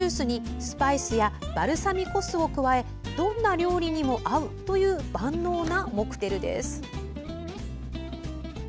トマトジュースにスパイスやバルサミコ酢を加えどんな料理にも合うという万能なモクテルです。